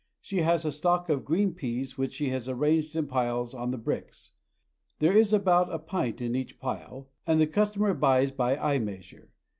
She has a stock of green peas which she has arranged in piles on the bricks. There is about a pint in each pile, and the cus tomer buys by eye measure.